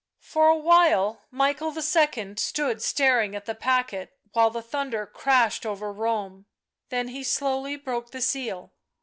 For a while Michael II. stood staring at the packet, while the thunder crashed over Rome. Then he slowly broke the seal.